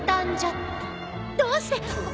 どうして。